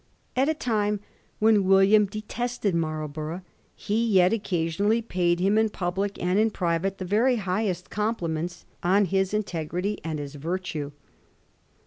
At a time when William detested Marlborough, he yet occasionally paid him in public and in private the very highest compHments on his integrity and his virtue.